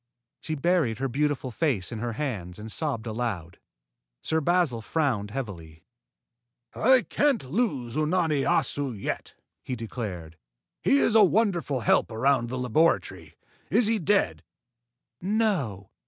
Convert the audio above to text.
She buried her beautiful face in her hands and sobbed aloud. Sir Basil frowned heavily. "I can't lose Unani Assu yet," he declared. "He is a wonderful help around the laboratory. Is he dead?" "No.